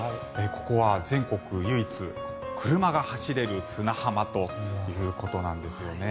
ここは全国唯一車が走れる砂浜ということなんですよね。